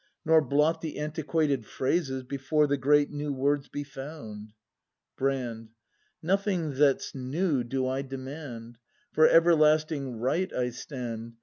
Nor blot the antiquated phrases Before the great new words be found! Brand. Nothing that's new do I demand; For Everlasting Right I stand.